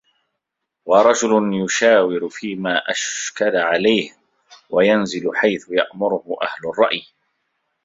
وَرَجُلٌ يُشَاوِرُ فِيمَا أَشْكَلَ عَلَيْهِ وَيَنْزِلُ حَيْثُ يَأْمُرُهُ أَهْلُ الرَّأْيِ